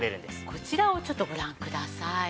こちらをちょっとご覧ください。